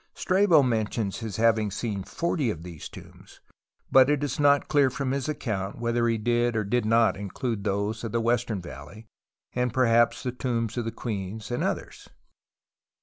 Strabo mentions his having seen forty of these tombs, but it is not clear from his account ^ TUTANKHAMEN whether he did not include those of the Western Valley and perhaps the Tombs of the Queens and others.